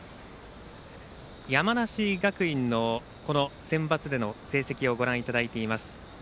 山梨学院のこのセンバツでの成績をご覧いただいています。